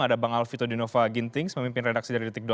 ada bang alvito dinova gintings memimpin redaksi dari detik com